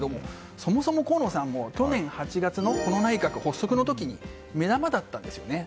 そもそも河野さん去年８月の、この内閣発足の時に目玉だったんですよね。